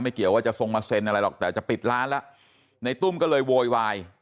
เกี่ยวว่าจะทรงมาเซ็นอะไรหรอกแต่จะปิดร้านแล้วในตุ้มก็เลยโวยวาย